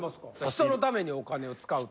人のためにお金を使うの。